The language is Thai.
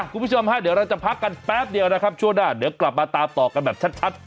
คุณผู้ชมฮะเดี๋ยวเราจะพักกันแป๊บเดียวนะครับช่วงหน้าเดี๋ยวกลับมาตามต่อกันแบบชัด